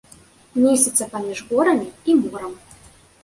Месціцца паміж горамі і морам.